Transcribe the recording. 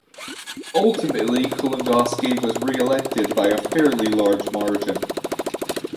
Ultimately, Kulongoski was re-elected by a fairly large margin.